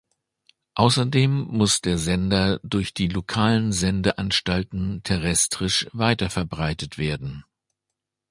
Außerdem muss der Sender durch die lokalen Sendeanstalten terrestrisch weiterverbreitet werden.